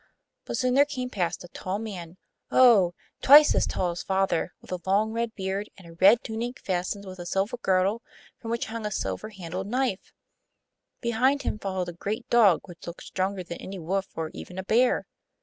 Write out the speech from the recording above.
But soon there came past a tall man oh! twice as tall as father with a long red beard and a red tunic fastened with a silver girdle, from which hung a silver handled knife. Behind him followed a great dog, which looked stronger than any wolf, or even a bear.